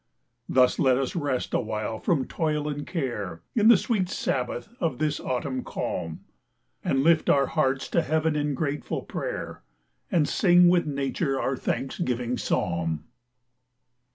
Thus let us rest awhile from toil and care, In the sweet sabbath of this autumn calm, And lift our hearts to heaven in grateful prayer, And sing with nature our thanksgiving psalm.